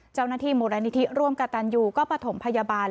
เจ้าหน้าที่มูลนิธิร่วมกับตันยูก็ประถมพยาบาล